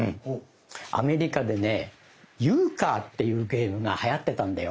アメリカでね「ユーカー」っていうゲームがはやってたんだよ。